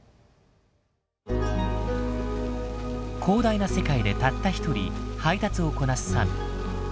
広大な世界でたった一人配達をこなすサム。